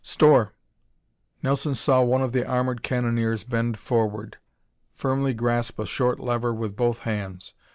"Storr!" Nelson saw one of the armored cannoneers bend forward, firmly grasp a short lever with both hands.